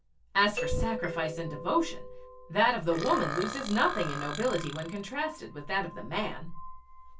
As for sacrifice and devotion, that of the woman loses nothing in nobility when contrasted with that of the man.